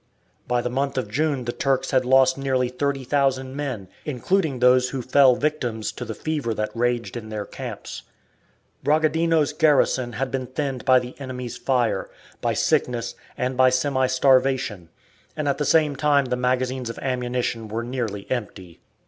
By the month of June the Turks had lost nearly 30,000 men, including those who fell victims to the fever that raged in their camps. Bragadino's garrison had been thinned by the enemy's fire, by sickness, and by semi starvation, and at the same time the magazines of ammunition were nearly empty.